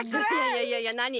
いやいやいやなに？